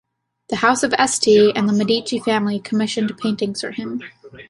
The House of Este and the Medici family commissioned paintings from him.